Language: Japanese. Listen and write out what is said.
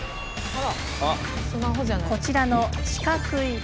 こちらの四角い物体。